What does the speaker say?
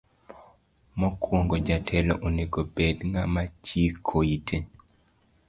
Mokuongo jatelo onego obed ng'ama chiko ite.